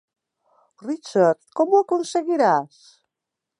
Richard, com ho aconseguiràs?